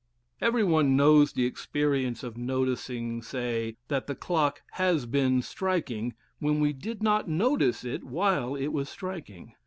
Everyone knows the experience of noticing (say) that the clock HAS BEEN striking, when we did not notice it while it was striking.